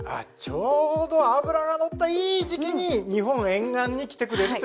ちょうど脂が乗ったいい時期に日本沿岸に来てくれるということなんですね。